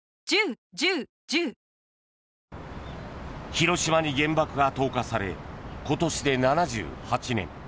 広島に原爆が投下され今年で７８年。